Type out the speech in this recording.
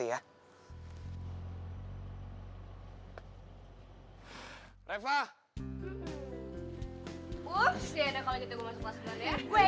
wups ya udah paling gitu gue masuk ke paspener ya